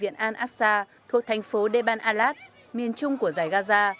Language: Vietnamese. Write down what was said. bệnh viện al aqsa thuộc thành phố deban alat miền trung của giải gaza